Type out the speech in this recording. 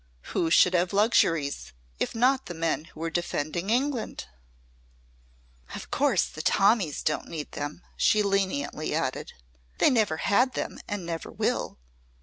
Who should have luxuries if not the men who were defending England? "Of course the Tommies don't need them," she leniently added. "They never had them and never will.